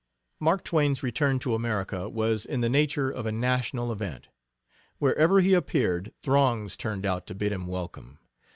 Mark Twain's return to America, was in the nature of a national event. Wherever he appeared throngs turned out to bid him welcome.